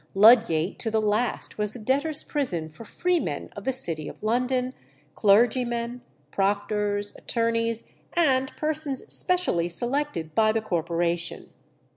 Ludgate to the last was the debtors' prison for freemen of the city of London, clergymen, proctors, attorneys, and persons specially selected by the Corporation.